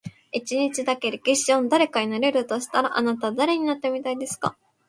一日だけ、歴史上の誰かになれるとしたら、あなたは誰になってみたいですか？